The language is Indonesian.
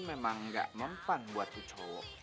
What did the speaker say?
memang gak mempan buat cowok